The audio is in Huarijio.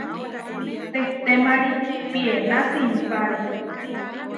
Tehtémari piená simpáre.